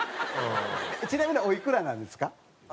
ちなみにおいくらなんですか？